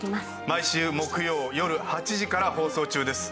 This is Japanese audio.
毎週木曜よる８時から放送中です。